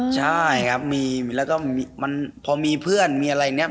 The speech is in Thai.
ใช่ครับพอมีเพื่อนมีอะไรเนี่ย